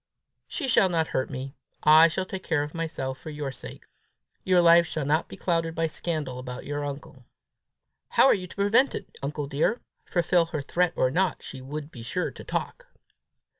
"She shall not hurt me. I will take care of myself for your sakes. Your life shall not be clouded by scandal about your uncle." "How are you to prevent it, uncle dear? Fulfil her threat or not, she would be sure to talk!"